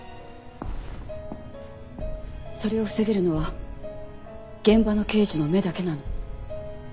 それを防げるのは現場の刑事の目だけなの。